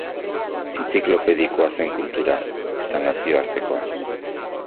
Entziklopedikoa zen kultura, eta nazioartekoa.